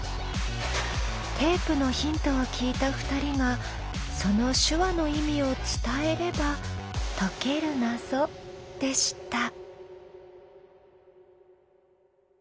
テープのヒントを聞いた２人がその手話の意味を伝えれば解ける謎でした。